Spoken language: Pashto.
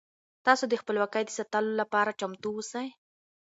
تاسو د خپلواکۍ د ساتلو لپاره چمتو اوسئ.